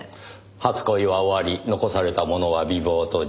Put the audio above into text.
初恋は終わり残されたものは美貌と自信。